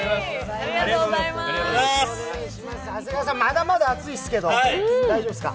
長谷川さん、まだまだ暑いですけど、大丈夫ですか？